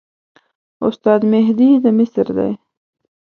استاد مهدي د مصر دی.